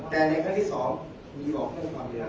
แต่ในครั้งที่สองมีบอกเรื่องความเดียว